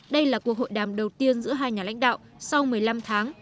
đây là cuộc hội đàm đầu tiên giữa hai nhà lãnh đạo sau một mươi năm tháng